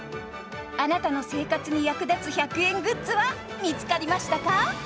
あなたの生活に役立つ１００円グッズは見つかりましたか？